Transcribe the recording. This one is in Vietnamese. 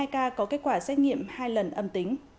một mươi hai ca có kết quả xét nghiệm hai lần âm tính